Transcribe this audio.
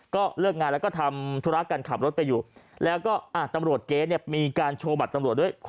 ก็เลิกงานแล้วก็ทำธุระกันขับรถไปอยู่แล้วก็ตำรวจเก๊เนี่ยมีการโชว์บัตรตำรวจด้วย